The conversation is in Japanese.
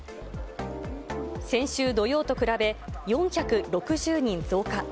先週土曜と比べ、４６０人増加。